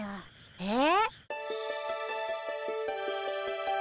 えっ？